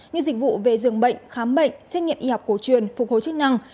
như dịch vụ về dường bệnh khám bệnh xét nghiệm y học cổ truyền phục hồi chức năng